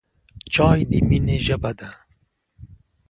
چای د مینې ژبه ده.